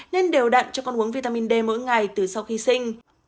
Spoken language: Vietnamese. nên đều đặn cho con uống vitamin d mỗi ngày từ sau khi sinh